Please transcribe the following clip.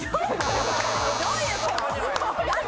どういうこと？